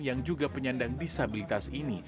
yang juga penyandang disabilitas ini